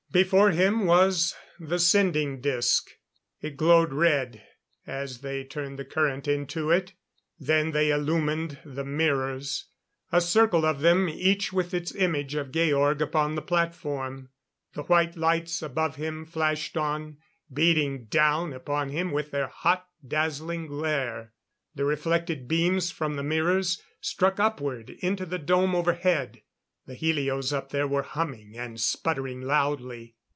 Before him was the sending disc; it glowed red as they turned the current into it. Then they illumined the mirrors; a circle of them, each with its image of Georg upon the platform. The white lights above him flashed on, beating down upon him with their hot, dazzling glare. The reflected beams from the mirrors, struck upward into the dome overhead. The helios up there were humming and sputtering loudly.